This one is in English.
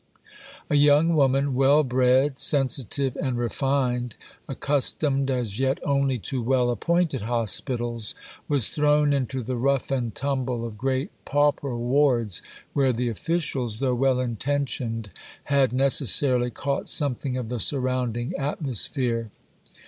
A young woman, well bred, sensitive, and refined, accustomed as yet only to well appointed hospitals, was thrown into the rough and tumble of great pauper wards, where the officials, though well intentioned, had necessarily caught something of the surrounding atmosphere.